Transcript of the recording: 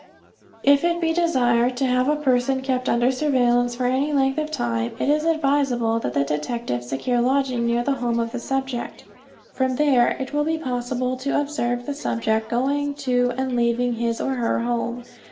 If it be desired to have a person kept under surveillance for any length of time, it is advisable that the detective secure lodging near the home of the subject. From there it will be possible to observe the subject going to and leaving his or her home.